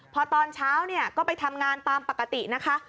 พอตอนเช้าเนี่ยก็ไปทำงานตามปกตินะคะ